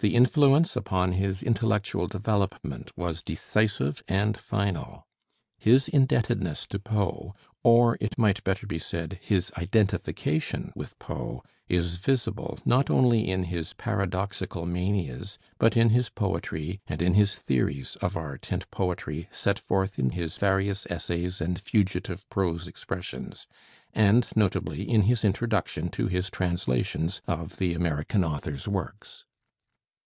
The influence upon his intellectual development was decisive and final. His indebtedness to Poe, or it might better be said, his identification with Poe, is visible not only in his paradoxical manias, but in his poetry, and in his theories of art and poetry set forth in his various essays and fugitive prose expressions, and notably in his introduction to his translations of the American author's works.